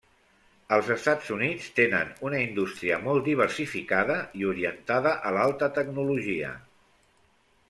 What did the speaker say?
Els Estats Units tenen una indústria molt diversificada i orientada a l'alta tecnologia.